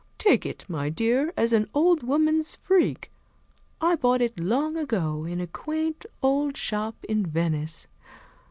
Take it, my dear, as an old woman's freak. I bought it long ago in a quaint old shop in Venice.